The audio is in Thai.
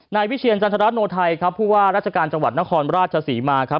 วิเชียรจันทรโนไทยครับผู้ว่าราชการจังหวัดนครราชศรีมาครับ